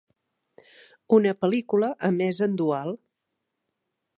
Una pel·lícula emesa en dual.